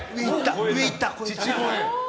上いった。